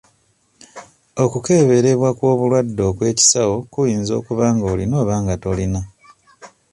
Okukeberebwa kw'obulwadde okw'ekisawo kuyinza okuba ng'olina oba nga tolina.